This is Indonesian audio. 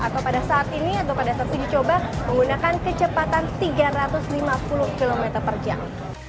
atau pada saat ini atau pada saat uji coba menggunakan kecepatan tiga ratus lima puluh km per jam